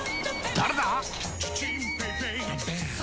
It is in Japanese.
誰だ！